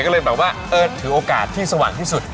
ก็เลยแบบว่าเออถือโอกาสที่สว่างที่สุด